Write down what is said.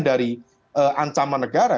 dari ancaman negara